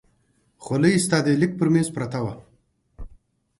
خولۍ ستا د لیک پر مېز پرته وه.